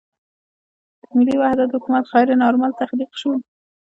د ملي وحدت حکومت غیر نارمل تخلیق شو.